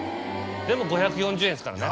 でも５４０円ですからね。